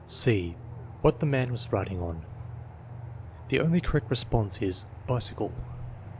(c) What the man was riding on The only correct response is "Bicycle."